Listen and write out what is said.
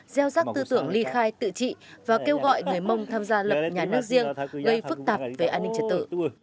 gieo rác tư tưởng ly khai tự trị và kêu gọi người mong tham gia lập nhà nước riêng gây phức tạp về an ninh trở tự